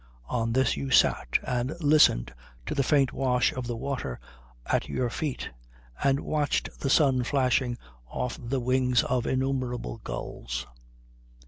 On this you sat and listened to the faint wash of the water at your feet and watched the sun flashing off the wings of innumerable gulls.